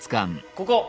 ここ。